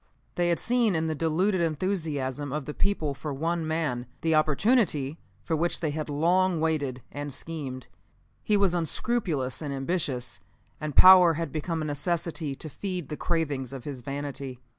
They had seen in the deluded enthusiasm of the people for one man, the opportunity for which they had long waited and schemed. He was unscrupulous and ambitious, and power had become a necessity to feed the cravings of his vanity.